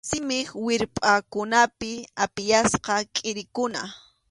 Simip wirpʼankunapi apiyasqa kʼirikuna.